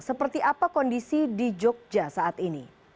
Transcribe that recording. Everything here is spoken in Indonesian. seperti apa kondisi di jogja saat ini